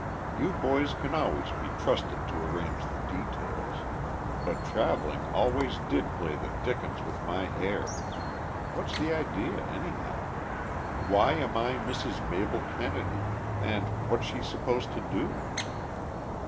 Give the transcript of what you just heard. "You boys can always be trusted to arrange the details but traveling always did play the dickens with my hair! What's the idea, anyhow? Why am I Mrs. Mabel Kennedy, and what's she supposed to do?"